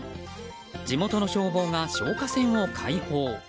地元の消防が消火栓を解放。